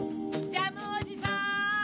ジャムおじさん！